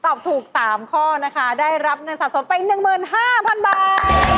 ตอบถูก๓ข้อนะคะได้รับเงินสะสมไป๑๕๐๐๐บาท